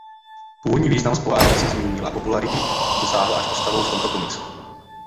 Původní význam z pohádky se změnil a popularity dosáhl až postavou v tomto komiksu.